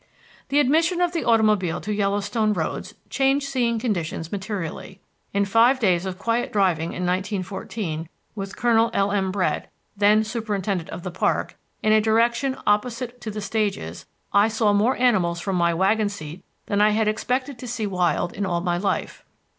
The admission of the automobile to Yellowstone roads changed seeing conditions materially. In five days of quiet driving in 1914 with Colonel L.M. Brett, then superintendent of the park, in a direction opposite to the stages, I saw more animals from my wagon seat than I had expected to see wild in all my life.